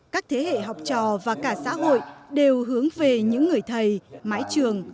các thế hệ học trò và cả xã hội đều hướng về những người thầy mái trường